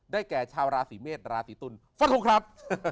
แก่ชาวราศีเมษราศีตุลฟันทงครับ